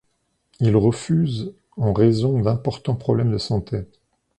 Il refuse, en raison d'importants problèmes de santé.